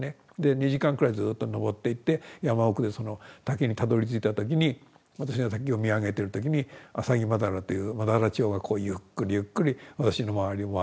２時間くらいずっと登っていって山奥でその滝にたどりついた時に私が滝を見上げてる時にアサギマダラというマダラチョウがこうゆっくりゆっくり私の周りを回って。